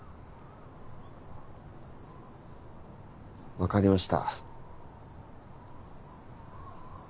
わかりました。